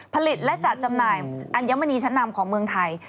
ผลิตและจัดจำหน่ายอัญมณีชั้นนำของเมืองไทย